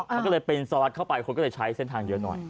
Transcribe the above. มันก็เลยเป็นสลัดเข้าไปคนก็เลยใช้เส้นทางเยอะหน่อย